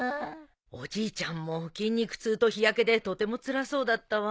おじいちゃんも筋肉痛と日焼けでとてもつらそうだったわ。